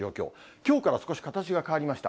きょうから少し形が変わりました。